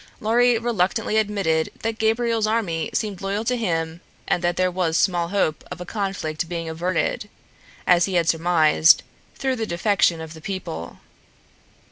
Lorry reluctantly admitted that Gabriel's army seemed loyal to him and that there was small hope of a conflict being averted, as he had surmised, through the defection of the people.